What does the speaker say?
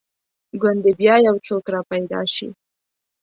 ګوندې بیا یو څوک را پیدا شي.